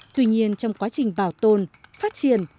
tuy nhiên trong quá trình bảo tồn phát triển